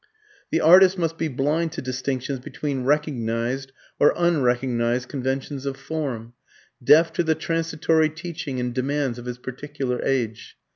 The artist must be blind to distinctions between "recognized" or "unrecognized" conventions of form, deaf to the transitory teaching and demands of his particular age.